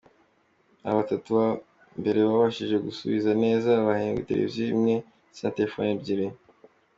Aba batatu ba mbere babashije gusubiza neza bahembwe televiziyo imwe ndetse na telefoni ebyiri.